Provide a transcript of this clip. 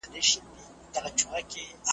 زه ستا سیوری لټومه .